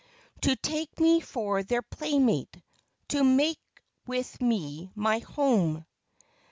To take me for their playmate, To make with me my home."